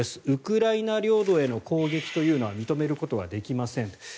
ウクライナ領土への攻撃というのは認めることはできません。